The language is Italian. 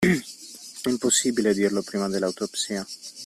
Impossibile dirlo prima dell’autopsia;